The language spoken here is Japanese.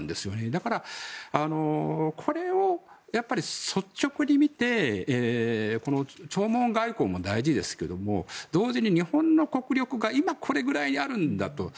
だから、これを率直に見てこの弔問外交も大事ですけど同時に日本の国力が今これぐらいあるんだと。